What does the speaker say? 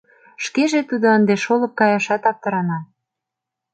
Шкеже тудо ынде шолып каяшат аптырана.